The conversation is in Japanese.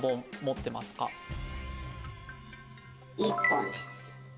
１本です。